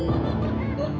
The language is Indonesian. nanti jatuh tolong